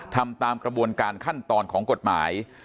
ทำตามกระบวนการขั้นตอนของกฎหมาย